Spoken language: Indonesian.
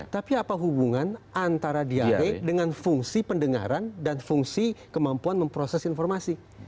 tapi apa hubungan antara diare dengan fungsi pendengaran dan fungsi kemampuan memproses informasi